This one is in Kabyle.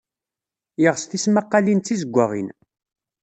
Yeɣs tismaqqalin d tizewwaɣin.